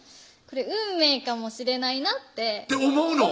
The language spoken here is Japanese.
これ運命かもしれないなってって思うの？